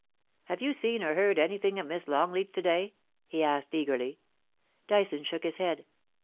' Have you seen or heard anything of Miss Longleat to day ?* he asked eageriy. Dyson shook his head.